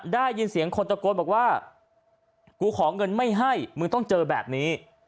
ได้ยินเสียงคนตะโกนบอกว่ากูขอเงินไม่ให้มึงต้องเจอแบบนี้